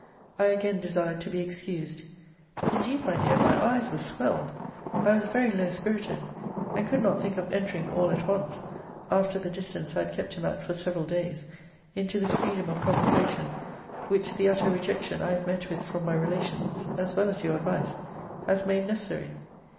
I again desired to be excused. Indeed, my dear, my eyes were swelled: I was very low spirited; and could not think of entering all at once, after the distance I had kept him at for several days, into the freedom of conversation which the utter rejection I have met with from my relations, as well as your advice, has made necessary.